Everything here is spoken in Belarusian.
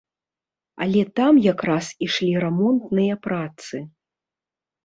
Але там якраз ішлі рамонтныя працы.